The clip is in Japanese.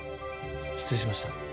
失礼しました。